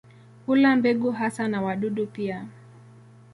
Hula mbegu hasa na wadudu pia.